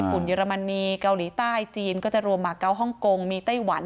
เยอรมนีเกาหลีใต้จีนก็จะรวมมาเกาฮ่องกงมีไต้หวัน